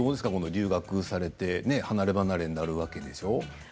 留学されて離れ離れになるわけでしょ。